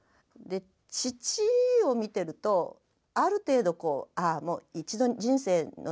父を見てるとある程度こうああもう一度人生のね